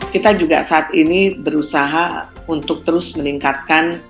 kita juga saat ini berusaha untuk terus meningkatkan